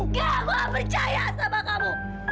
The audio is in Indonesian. enggak aku gak percaya sama kamu